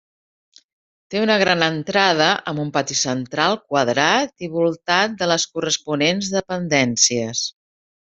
Té una gran entrada amb un pati central quadrat i voltat de les corresponents dependències.